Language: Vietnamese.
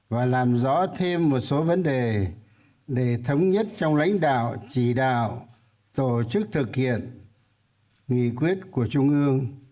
và làm rõ thêm một số vấn đề để thống nhất trong lãnh đạo chỉ đạo tổ chức thực hiện nghị quyết của trung ương